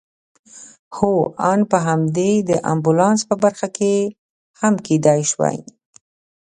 هو آن په همدې د امبولانس په برخه کې هم کېدای شوای.